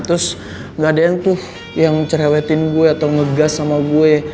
terus gak ada yang tuh yang cerewetin gue atau ngegas sama gue